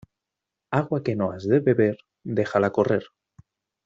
Agua que no has de beber, déjala correr.